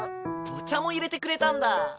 お茶もいれてくれたんだ。